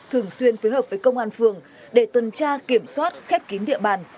thường xuyên phối hợp với công an phường để tuần tra kiểm soát khép kín địa bàn